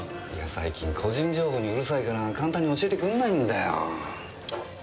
最近個人情報にうるさいから簡単に教えてくれないんだよ。